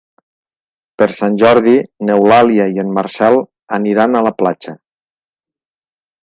Per Sant Jordi n'Eulàlia i en Marcel aniran a la platja.